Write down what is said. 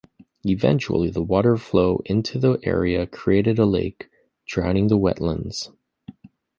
Eventually the water flow into the area created a lake, drowning the wetlands.